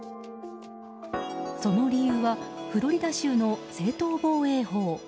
その理由はフロリダ州の正当防衛法。